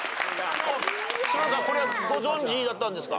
柴田さんこれはご存じだったんですか？